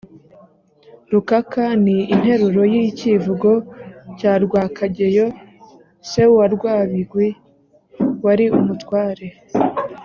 rukaka: ni interuro y’ikivugo cya rwakageyo se wa rwabigwi wari umutware